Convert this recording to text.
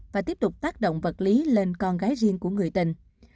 và tiếp tục tác động vật lý lên con gái riêng của người tình